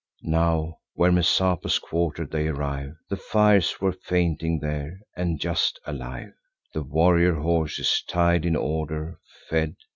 Now, where Messapus quarter'd, they arrive. The fires were fainting there, and just alive; The warrior horses, tied in order, fed.